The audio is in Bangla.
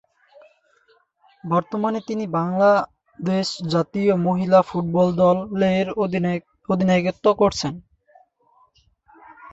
বর্তমানে তিনি বাংলাদেশ জাতীয় মহিলা ফুটবল দলের অধিনায়কত্ব করছেন।